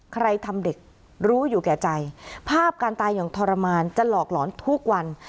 ใครทำเด็กรู้อยู่แก่ใจภาพการตายอย่างทรมานจะหลอกหลอนทุกวัน